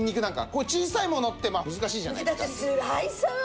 こういう小さいものって難しいじゃないですか。